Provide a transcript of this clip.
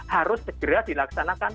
harus segera dilaksanakan